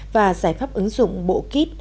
và giải pháp ứng dụng bộ kít